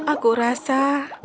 aku merasa aku ingin hidup